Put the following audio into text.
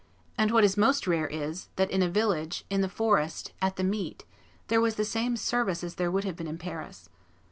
. and what is most rare is, that in a village, in the forest, at the meet, there was the same service as there would have been in Paris.